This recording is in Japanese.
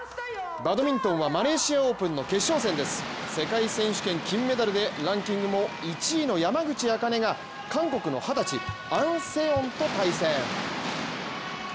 バドミントンはマレーシアオープンの決勝戦です世界選手権金メダルでランキングも１位の山口茜が韓国の二十歳アン・セヨンと対戦。